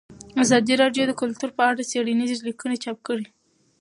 ازادي راډیو د کلتور په اړه څېړنیزې لیکنې چاپ کړي.